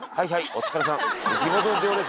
「お疲れさん」。